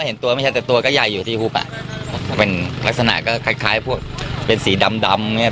มันก็ตัวใหญ่อ่ะครับที่หุบตรงข้างฝั่งนเนี่ย